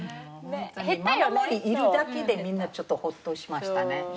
ママ森いるだけでみんなちょっとホッとしましたね。